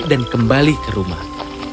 dan kembali ke rumah